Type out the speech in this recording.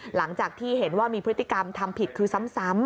หลังจากที่เห็นว่ามีพฤติกรรมทำผิดคือซ้ำ